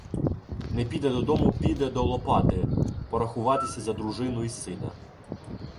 Не піде додому, піде до Лопати порахуватися за дружину і сина.